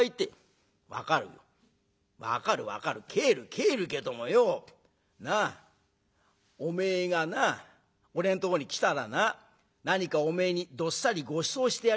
帰るけどもよなあおめえがな俺んとこに来たらな何かおめえにどっさりごちそうしてやりてえんだ。